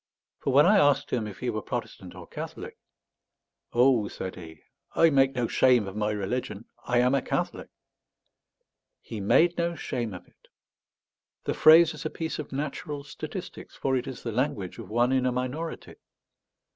For when I asked him if he were Protestant or Catholic "Oh," said he, "I make no shame of my religion. I am a Catholic." He made no shame of it! The phrase is a piece of natural statistics; for it is the language of one in a minority.